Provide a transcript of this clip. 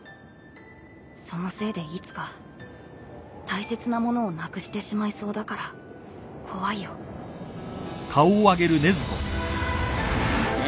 そのせいでいつか大切なものをなくしてしまいそうだから怖いようう！